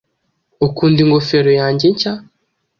Ukunda ingofero yanjye nshya?